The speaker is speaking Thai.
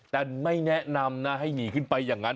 แต่ไม่แนะนำนะให้หนีขึ้นไปอย่างนั้น